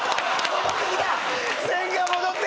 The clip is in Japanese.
戻ってきた！